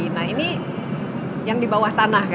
nah ini yang di bawah tanah kan ya